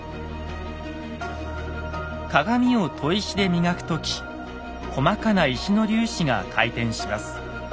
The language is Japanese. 鏡を砥石で磨く時細かな石の粒子が回転します。